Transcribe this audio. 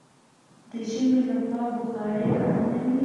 د ژمي له خوا بخارۍ اړینه وي.